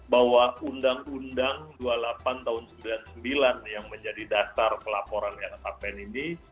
bahwa undang undang dua puluh delapan tahun seribu sembilan ratus sembilan puluh sembilan yang menjadi dasar pelaporan lhkpn ini